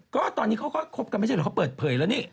ก็ตอนนี้เขาก็คบกันไม่ใช่เหรอเขาเปิดเผยแล้วนี่